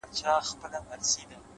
o ډك د ميو جام مي د زړه ور مــات كړ ـ